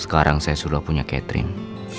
sekarang saya sudah punya catering